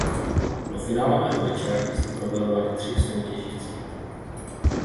Do finálového večera se probojovali tři soutěžící.